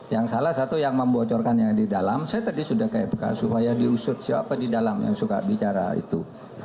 yang salah satu yang membocorkan yang di dalam saya tadi sudah ke mk supaya diusut siapa di dalam yang suka bicara itu